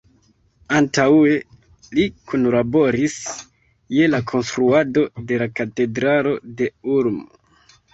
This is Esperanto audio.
Antaŭe li kunlaboris je la konstruado de la katedralo de Ulm.